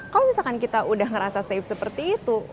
kalau misalkan kita udah ngerasa safe seperti itu